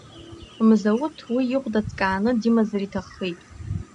Мзауҭ уи ихәда ҵкааны димазар иҭаххеит…